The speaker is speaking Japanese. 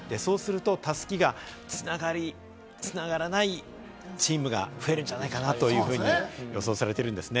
そうすると襷がつながらない、チームが増えるんじゃないかなというふうに、予想されているんですね。